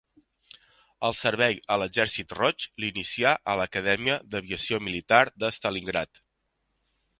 El servei a l'Exèrcit Roig l'inicià a l'Acadèmia d'Aviació Militar de Stalingrad.